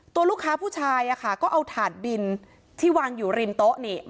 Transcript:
ตัวลูกค้าผู้ชายก็เอาถาดบินที่วางอยู่ริมโต๊ะนี่